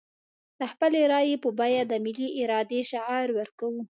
د خپلې رايې په بيه د ملي ارادې شعار ورکوو.